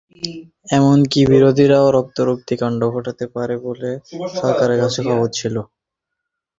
এমনকি বিরোধীরা রক্তারক্তি কাণ্ড ঘটাতে পারে বলেও সরকারের কাছে খবর ছিল।